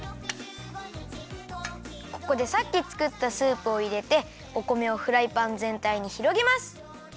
ここでさっきつくったスープをいれてお米をフライパンぜんたいにひろげます。